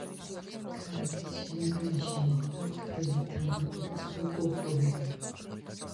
ქალაქის შემოგარენში მოჰყავთ ხილი, თამბაქო და სხვა კულტურები.